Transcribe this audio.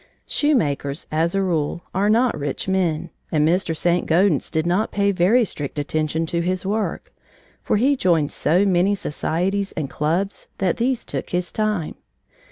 Shoemakers, as a rule, are not rich men, and Mr. St. Gaudens did not pay very strict attention to his work, for he joined so many societies and clubs that these took his time.